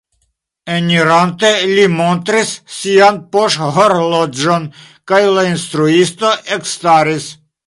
Enirante li montris sian poŝhorloĝon kaj la instruisto ekstaris.